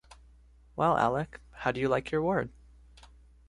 Well, Alec, how do you like your ward?